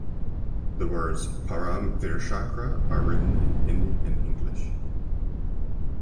The words "Param Vir Chakra" are written in Hindi and English.